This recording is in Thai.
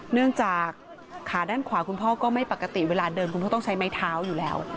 เนื่องจากขาด้านขวาคุณพ่อก็ไม่ปกติเวลาเดินคุณพ่อต้องใช้ไม้เท้าอยู่แล้ว